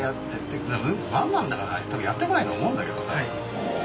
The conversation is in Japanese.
ワンマンだから多分やってこないと思うんだけどね。